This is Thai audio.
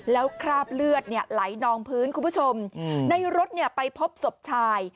แล้วคราบเลือดไหลนองพื้นคุณผู้ชมในรถเนี่ยไปพบศพชาย